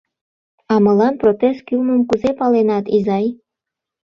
А мылам протез кӱлмым кузе паленат, изай?